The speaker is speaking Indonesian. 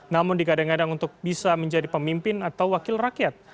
namun dikadang kadang untuk bisa menjadi pemimpin atau wakil rakyat